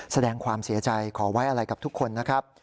แสดงความเสียใจขอไว้อะไรกับทุกคนนะครับ